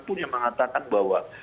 pun yang mengatakan bahwa